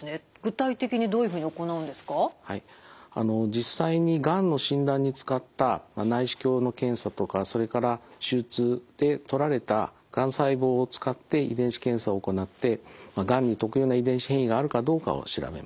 実際にがんの診断に使った内視鏡の検査とかそれから手術でとられたがん細胞を使って遺伝子検査を行ってがんに特有な遺伝子変異があるかどうかを調べます。